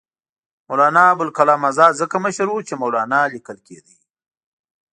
مولنا ابوالکلام آزاد ځکه مشر وو چې مولنا لیکل کېدی.